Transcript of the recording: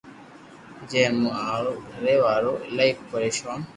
جي مون اورو گر وارو ايلائي پريݾون